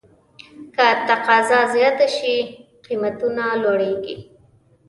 که تقاضا زیاته شي، قیمتونه لوړېږي.